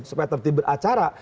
supaya tertib beracara